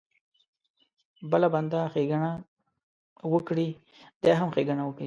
بل بنده ښېګڼه وکړي دی هم ښېګڼه وکړي.